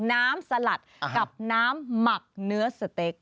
สลัดกับน้ำหมักเนื้อสเต็ก